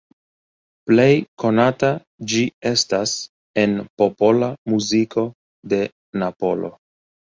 Plej konata ĝi estas en popola muziko de Napolo.